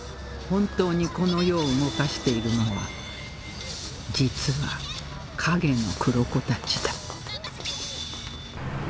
本当にこの世を動かしているのは実は影の黒子たちだ